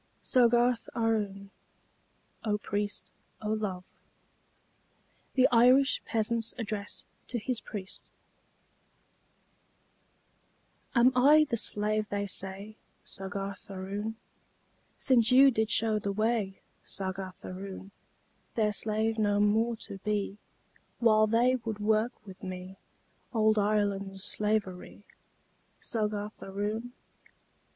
SOGGARTH AROON ("O Priest, O Love!") THE IRISH PEASANT'S ADDRESS TO HIS PRIEST Am I the slave they say, Soggarth Aroon? Since you did show the way, Soggarth Aroon, Their slave no more to be, While they would work with me Ould Ireland's slavery, Soggarth Aroon?